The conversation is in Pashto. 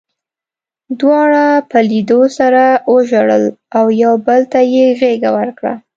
دواړو په لیدو سره وژړل او یو بل ته یې غېږه ورکړه